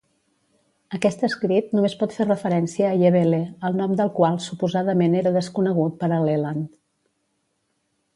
Aquest escrit només pot fer referència a Yevele, el nom del qual suposadament era desconegut per a Leland.